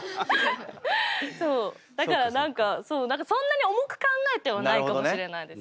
そうだから何かそんなに重く考えてはないかもしれないです。